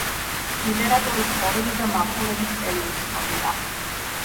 იმპერატორის ცხოვრების და მმართველობის წელი უცნობია.